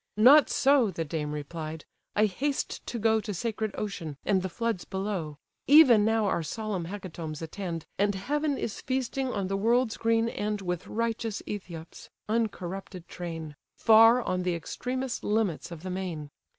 "Not so (the dame replied), I haste to go To sacred Ocean, and the floods below: Even now our solemn hecatombs attend, And heaven is feasting on the world's green end With righteous Ethiops (uncorrupted train!) Far on the extremest limits of the main.